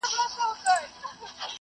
مایع ورو ورو غلیظه کېږي.